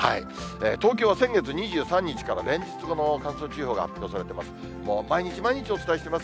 東京は先月２３日から、連日、乾燥注意報が発表されてます。